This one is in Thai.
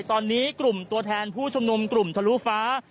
ตอนนี้กลุ่มตัวแทนผู้ชุมนุมกลุ่มทะลุฟ้า